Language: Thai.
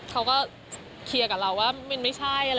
เขาก็เคียกกับเราว่าไม่ใช่